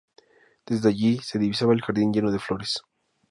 Desde allí se divisaba el jardín lleno de flores